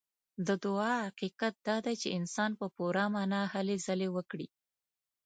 د دعا حقيقت دا دی چې انسان په پوره معنا هلې ځلې وکړي.